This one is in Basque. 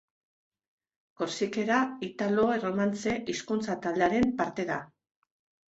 Korsikera italo-erromantze hizkuntza-taldearen parte da.